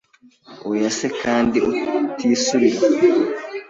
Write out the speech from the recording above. Oya se kandi utisubiraho?”